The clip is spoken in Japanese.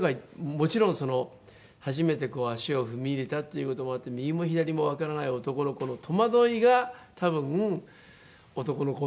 もちろんその初めて足を踏み入れたっていう事もあって右も左もわからない男の子の戸惑いが多分「男の子？